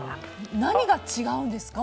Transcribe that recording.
何が違うんですか？